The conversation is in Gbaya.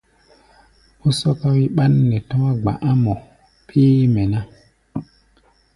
Ó sɔ́ká wí ɓán nɛ tɔ̧́á̧ gba̧Ꞌá̧ mɔ béémɛ ná.